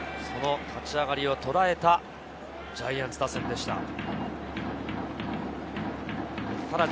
その立ち上がりをとらえたジャイアンツ打線でした。